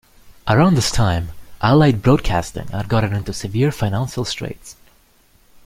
Around this time, Allied Broadcasting had gotten into severe financial straits.